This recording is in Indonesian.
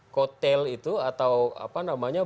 kotel itu atau apa namanya